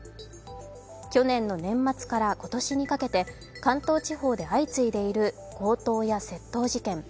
去年の年末から今年にかけて関東地方で相次いでいる強盗や窃盗事件。